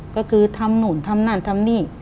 ก็คือทำนู่นทำนั่นทำนี่